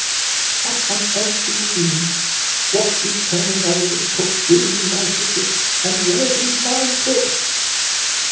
"What on earth do you mean? What is Colonel Norridrum's cook doing in my kitchen—and where is my cook?"